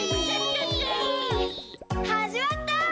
はじまった！